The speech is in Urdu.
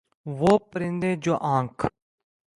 وہ پرندے جو آنکھ